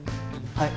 はい。